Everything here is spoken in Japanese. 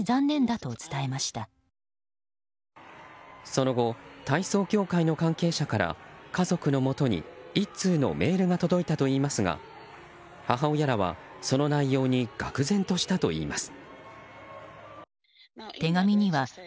その後、体操協会の関係者から家族のもとに１通のメールが届いたといいますが母親らは、その内容にがくぜんとしたといいます。